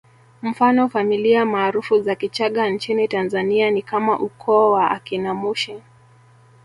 Mfano familia maarufu za Kichaga nchini Tanzania ni kama ukoo wa akina Mushi